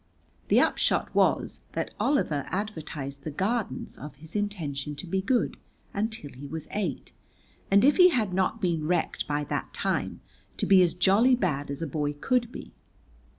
The upshot was that Oliver advertised the Gardens of his intention to be good until he was eight, and if he had not been wrecked by that time, to be as jolly bad as a boy could be.